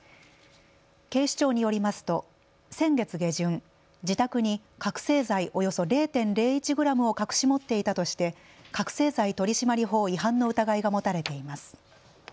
警視庁によりますと先月下旬、自宅に覚醒剤およそ０．０１グラムを隠し持っていたとして覚醒剤取締法違反の疑いが持たれています。